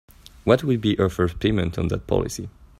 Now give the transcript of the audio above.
What would be her first payment on that policy?